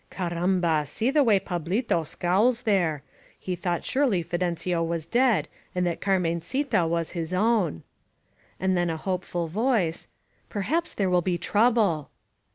'* Carramba! See the way Pablito scowls there. He thought surely Fidencio was dead and that Carmencita was his own!'' And then a hopeful voice: "Perhaps there will be trouble!'